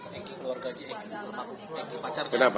jadi kita bahas fokus ke almarhumnya aja